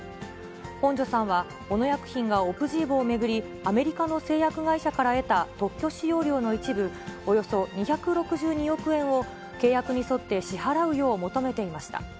本庶さんは小野薬品がオプジーボを巡り、アメリカの製薬会社から得た特許使用料の一部およそ２６２億円を契約に沿って支払うよう求めていました。